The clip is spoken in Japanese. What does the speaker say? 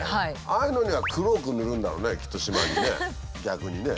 ああいうのには黒く塗るんだろうねきっとシマにね逆にね。